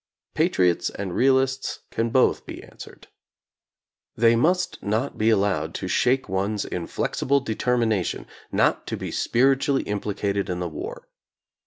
Pa triots and realists can both be answered. They must not be allowed to shake one's inflexible de termination not to be spiritually implicated in the war.